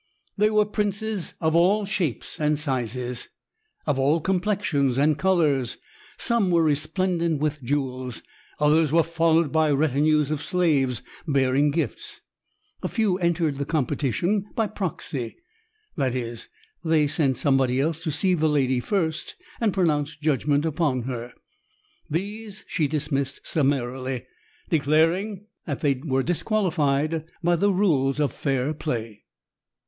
They were princes of all shapes and sizes, of all complexions and colors; some were resplendent with jewels, others were followed by retinues of slaves bearing gifts; a few entered the competition by proxy that is, they sent somebody else to see the lady first and pronounce judgment upon her. These she dismissed summarily, declaring that they were disqualified by the rules of fair play.